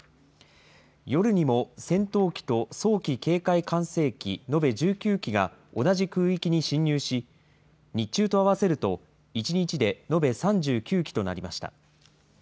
夜にも戦闘機と早期警戒管制機延べ１９機が、同じ空域に進入し、日中と合わせると、１日で延べ３９機となりました。